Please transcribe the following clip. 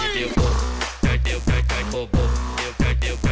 ini aku tas dulu dong